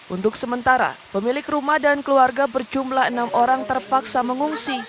untuk sementara pemilik rumah dan keluarga berjumlah enam orang terpaksa mengungsi